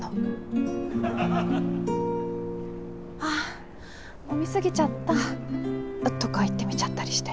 ああ飲み過ぎちゃった。とか言ってみちゃったりして。